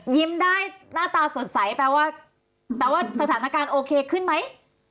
ยิ้มได้หน้าตาสดใสแปลว่าแปลว่าสถานการณ์โอเคขึ้นไหม